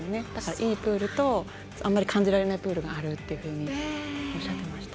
いいプールとあんまり感じられないプールがあるとおっしゃっていました。